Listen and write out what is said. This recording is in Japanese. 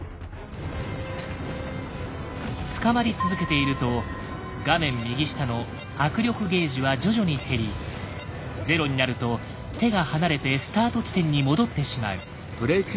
つかまり続けていると画面右下の「握力ゲージ」は徐々に減り０になると手が離れてスタート地点に戻ってしまう。